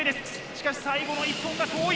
しかし最後の１本が遠い。